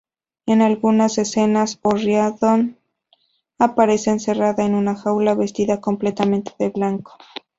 En algunas escenas O'Riordan aparece encerrada en una jaula vestida completamente de blanco.